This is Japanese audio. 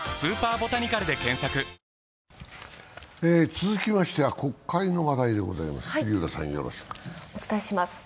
続きましては国会の話題でございます。